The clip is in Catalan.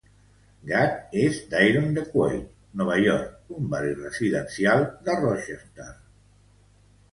Gadd és de Irondequoit, Nova York, un barri residencial de Rochester.